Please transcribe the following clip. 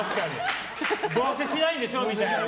どうせしないんでしょみたいな。